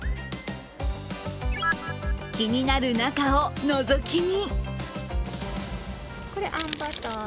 気になる中をのぞき見。